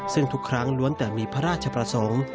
ซึ่งทุกครั้งล้วนแต่มีพระราชประสงค์